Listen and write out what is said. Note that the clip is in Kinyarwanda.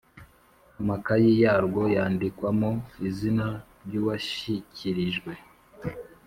amakayi yarwo yandikwamo izina ry uwashyikirijwe